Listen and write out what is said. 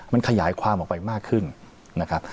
มันขยายความออกไปมากขึ้นนะครับ